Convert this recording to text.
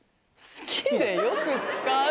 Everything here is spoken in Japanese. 好きでよく使う？